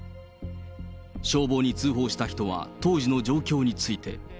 消防に通報した人は当時の状況について。